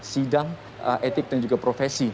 sidang etik dan juga profesi